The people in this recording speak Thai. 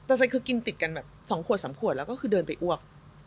แต่ใส่คือกินติดกันแบบ๒ขวด๓ขวดแล้วก็คือเดินไปอ้วก